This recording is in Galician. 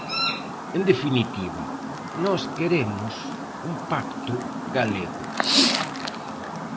En definitiva, nós queremos un pacto galego.